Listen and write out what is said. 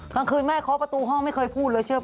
กลางคืนแม่เคาะประตูห้องไม่เคยพูดเลยเชื่อ